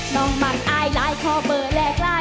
น้องมักอ้ายลายขอเบอร์แลกลาย